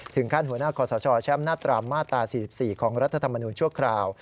ถึงขั้นหัวหน้าของสชชแชมป์หน้าตรามมาตรา๔๔ของรัฐธรรมนุษย์ชั่วคราว